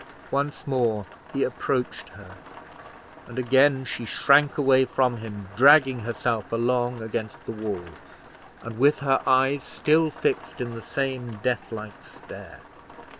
Once more he approached her, and again she shrank away from him, dragging herself along against the wall, and with her eyes still fixed in the same deathlike stare.